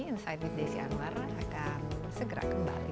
insight with desi anwar akan segera kembali